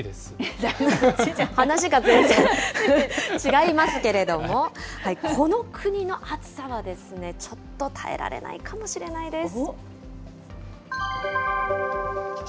話が全然違いますけれども、この国の暑さはですね、ちょっと耐えられないかもしれないです。